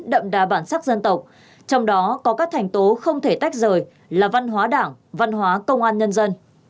đậm đà bản sắc dân tộc trong đó có các thành tố không thể tách rời là văn hóa đảng văn hóa công an nhân dân